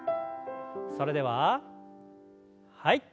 それでははい。